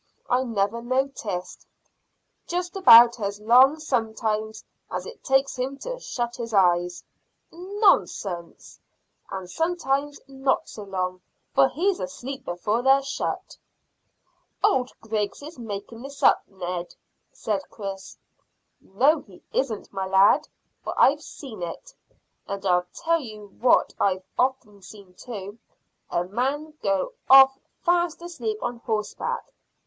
I never noticed." "Just about as long sometimes as it takes him to shut his eyes." "Nonsense!" "And sometimes not so long, for he's asleep before they're shut." "Old Griggs is making this up, Ned," said Chris. "No, he isn't, my lad, for I've seen it; and I tell you what I've often seen too a man go off fast asleep on horseback.